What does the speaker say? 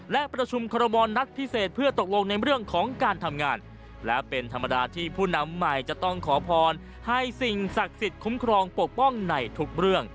และเป็นธรรมดาที่ผู้นำใหม่จะต้องขอพรให้สิ่งศักดิ์สิทธิ์คุ้มครองปกป้องในทุกเรื่อง